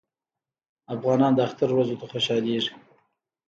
افغانان د اختر ورځو ته خوشحالیږي.